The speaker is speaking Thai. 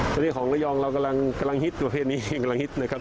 ตอนนี้ของระยองเรากำลังฮิตประเพณีกำลังฮิตนะครับ